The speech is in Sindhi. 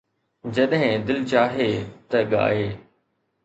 جڏهن دل چاهي ته ڳائي